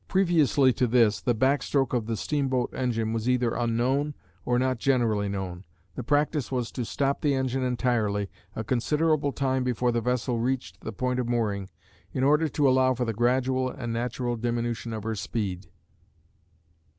Previously to this, the "back stroke" of the steamboat engine was either unknown, or not generally known. The practice was to stop the engine entirely a considerable time before the vessel reached the point of mooring, in order to allow for the gradual and natural diminution of her speed.